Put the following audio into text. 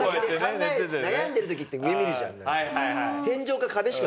考える悩んでる時って上見るじゃん。